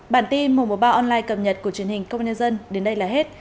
bản tin mùa báo online cập nhật của truyền hình công an nhân dân đến đây là hết